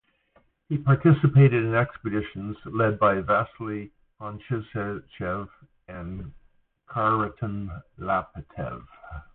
He participated in expeditions, led by Vasily Pronchischev and Khariton Laptev.